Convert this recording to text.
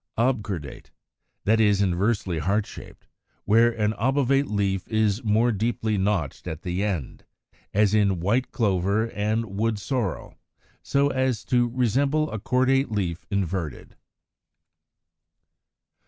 Obcordate, that is, inversely heart shaped, where an obovate leaf is more deeply notched at the end (Fig. 139), as in White Clover and Wood sorrel; so as to resemble a cordate leaf inverted.